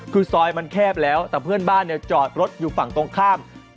คือซอยมันแคบแล้วแต่เพื่อนบ้านเนี่ยจอดรถอยู่ฝั่งตรงข้าม